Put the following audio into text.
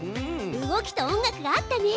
動きと音楽が合ったね！